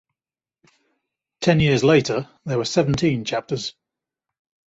Ten years later, there were seventeen chapters.